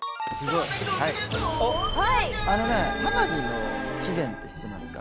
あのね花火の起源って知ってますか？